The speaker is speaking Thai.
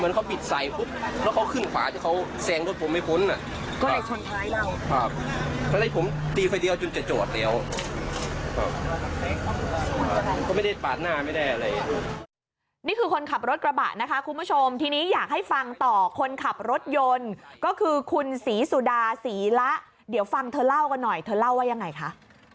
นี่คือคนขับรถกระบะนะคะคุณผู้ชมทีนี้อยากให้ฟังต่อคนขับรถยนต์ก็คือคุณศรีสุดาศรีละเดี๋ยวฟังเธอเล่ากันหน่อยเธอเล่าว่ายังไงคะ